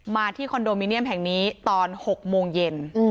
ที่คอนโดมิเนียมแห่งนี้ตอน๖โมงเย็น